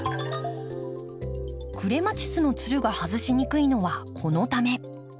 クレマチスのつるが外しにくいのはこのため。